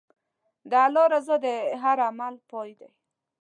د الله رضا د هر عمل پای دی.